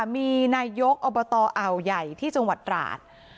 มีนายกอบตอ่าวใหญ่ที่จังหวัดตราด